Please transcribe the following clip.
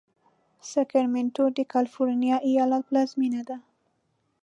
ساکرمنټو د کالفرنیا ایالت پلازمېنه ده.